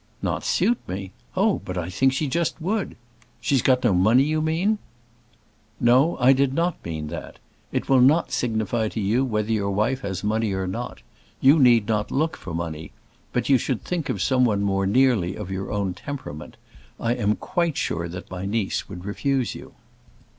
"Not suit me! Oh, but I think she just would. She's got no money, you mean?" "No, I did not mean that. It will not signify to you whether your wife has money or not. You need not look for money. But you should think of some one more nearly of your own temperament. I am quite sure that my niece would refuse you."